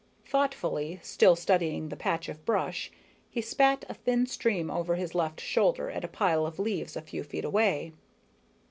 Thoughtfully, still studying the patch of brush, he spat a thin stream over his left shoulder at a pile of leaves a few feet away.